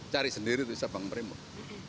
cari sendiri tuh siapa yang meremot